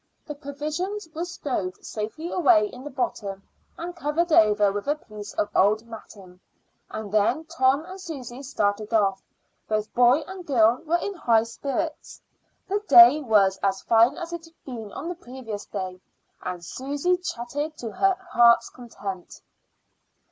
The provisions were stowed safely away in the bottom and covered over with a piece of old matting, and then Tom and Susy started off. Both boy and girl were in high spirits. The day was as fine as it had been on the previous day, and Susy chattered to her heart's content.